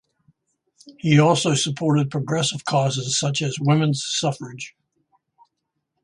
He also supported progressive causes such as women's suffrage.